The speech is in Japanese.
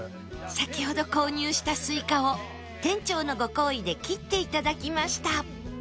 先ほど購入したスイカを店長のご厚意で切っていただきました